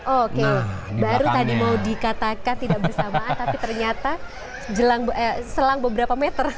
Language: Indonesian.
oke baru tadi mau dikatakan tidak bersamaan tapi ternyata selang beberapa meter